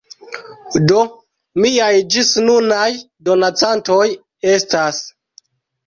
Do miaj ĝisnunaj donacantoj estas